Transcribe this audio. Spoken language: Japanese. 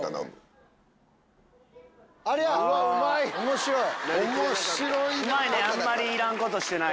面白いな！